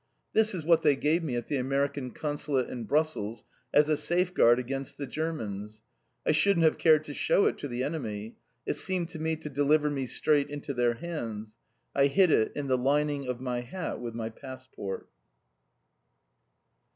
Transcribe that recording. This is what they gave me at the American Consulate in Brussels as a safeguard against the Germans. I shouldn't have cared to show it to the enemy! It seemed to me to deliver me straight into their hands. I hid it in the lining of my hat with my passport.